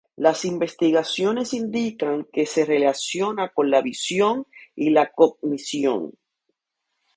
Las investigaciones indican que se relaciona con la visión y la cognición.